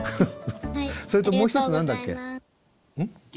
それともう一つ何だっけ？